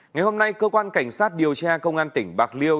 ngày hôm nay cơ quan cảnh sát điều tra công an tỉnh bạc liêu